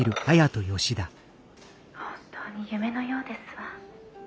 本当に夢のようですわ」。